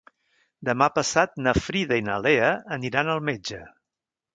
Demà passat na Frida i na Lea aniran al metge.